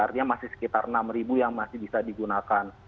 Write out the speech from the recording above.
artinya masih sekitar enam yang masih bisa digunakan